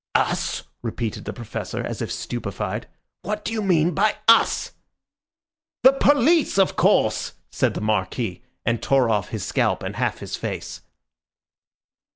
"Us!" repeated the Professor, as if stupefied. "What do you mean by 'us'?" "The police, of course!" said the Marquis, and tore off his scalp and half his face.